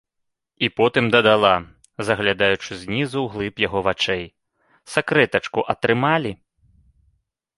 — І потым дадала, заглядаючы знізу ў глыб яго вачэй: — Сэкрэтачку атрымалі?